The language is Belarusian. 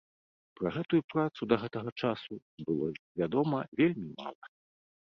Пра гэтую працу да гэтага часу было вядома вельмі мала.